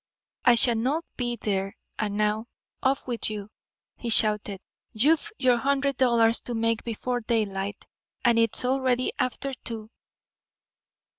"I shall not be there. And now, off with you!" he shouted. "You've your hundred dollars to make before daylight, and it's already after two."